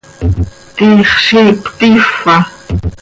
¿Tiix ziic cötiifa?